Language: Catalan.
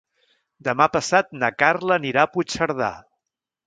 Demà passat na Carla anirà a Puigcerdà.